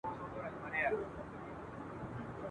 مات وزر مي د صياد